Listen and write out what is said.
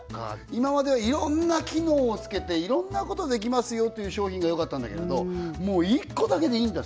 今までいろんな機能をつけていろんなことできますよという商品がよかったんだけれどもう１個だけでいいんだ